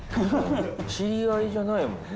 知り合いじゃないもんね。